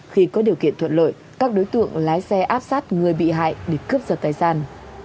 khi có điều kiện thuận lợi các đối tượng lái xe áp sát người bị hại để cướp giật tài sản